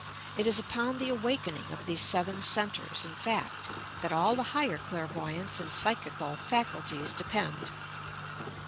It is upon the awakening of these Seven Centres, in fact, that all the higher clairvoyance and psychical faculties depend.